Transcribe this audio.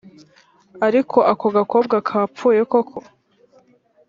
ariko ako gakobwa kapfuye koko